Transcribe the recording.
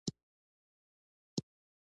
افغانستان په آب وهوا غني دی.